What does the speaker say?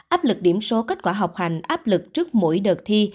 áp lực điểm số kết quả học hành áp lực trước mỗi đợt thi